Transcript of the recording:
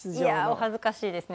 恥ずかしいですね。